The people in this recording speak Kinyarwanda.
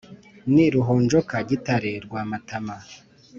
Ni ruhonjoka gitware rwamatama